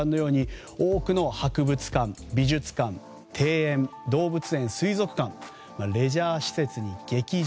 多くの博物館、美術館庭園、動物園、水族館レジャー施設に劇場